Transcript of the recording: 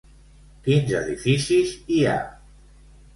Quins edificis hi ha?